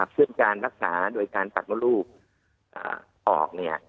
เพื่อที่การรักษาโดยการตัดมนุษย์ออกเนี่ย